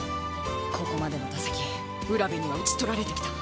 ここまでの打席卜部には打ち取られてきた。